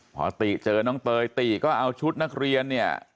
พอติเจอน้องเตยติก็เอาชุดนักเรียนเนี่ย